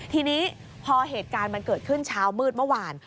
ทีนี้พอเหตุการณ์มันเกิดขึ้นเช้ามืดเมื่อวาน